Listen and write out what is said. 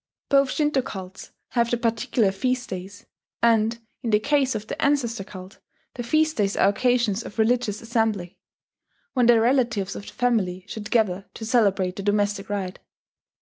Both Shinto cults have their particular feast days; and, in the case of the ancestor cult, the feast days are occasions of religious assembly, when the relatives of the family should gather to celebrate the domestic rite